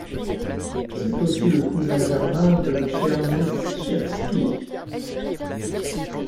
C'est aussi le cousin germain de Tchernychevski.